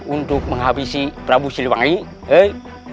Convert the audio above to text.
untuk menghabisi prabu siliwangi